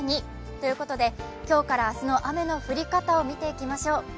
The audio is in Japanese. ということで今日から明日の雨の降り方を見ていきましょう。